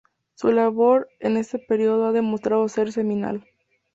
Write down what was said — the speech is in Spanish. Su labor en este período ha demostrado ser seminal.